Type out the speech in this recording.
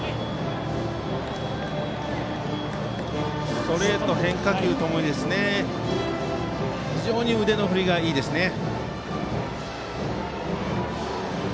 ストレート、変化球ともに非常に腕の振りがいいですね。